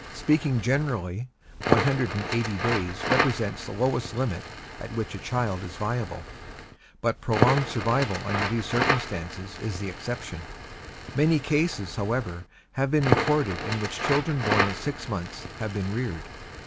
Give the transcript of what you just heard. Speaking generally, 180 days represents the lowest limit at which a child is viable, but prolonged survival under these circumstances is the exception. Many cases, however, have been recorded in which children born at six months have been reared.